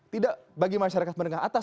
tidak bagi masyarakat menengah atas